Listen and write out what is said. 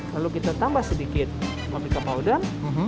lalu kita tambah sedikit paprika powder